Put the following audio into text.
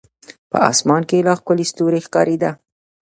په اسمان کې لا ښکلي ستوري ښکارېده.